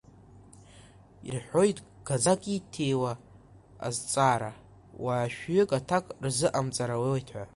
Ирҳәоит, гаӡак ииҭиуа азҵаара, уаашәҩык аҭак рзыҟамҵар ауеит ҳәа.